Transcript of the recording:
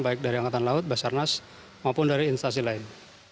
baik dari angkatan laut basarnas maupun dari instansi lain